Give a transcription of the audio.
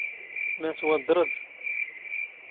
ⵎⴰ ⵜⵡⴹⴹⵕⴷ?